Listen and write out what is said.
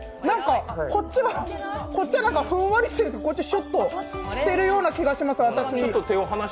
こっちはふんわりしてる、こっちはシュッとしているような気がします。